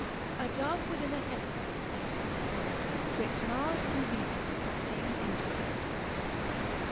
A dove within a headpiece made her nest, 'Twixt Mars and Venus see an interest.